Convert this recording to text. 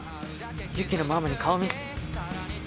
ユキのママに顔見せ。